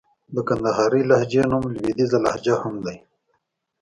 د کندهارۍ لهجې نوم لوېديځه لهجه هم دئ.